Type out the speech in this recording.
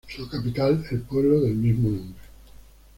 Su capital, el pueblo del mismo nombre.